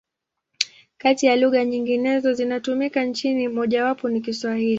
Kati ya lugha nyingine zinazotumika nchini, mojawapo ni Kiswahili.